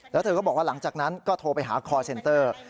แล้วเธอก็บอกว่าหลังจากนั้นก็โทรไปหาคอร์เซนเตอร์